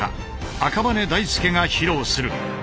赤羽根大介が披露する。